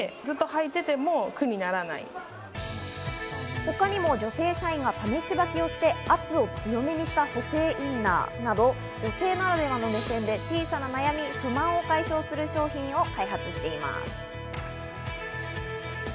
他にも女性社員が試し履きをして圧を強めにした補正インナーなど、女性ならではの目線で小さな悩み・不満を解消する商品を開発しています。